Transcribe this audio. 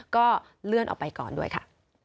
ก็เลื่อนออกไปก่อนด้วยค่ะ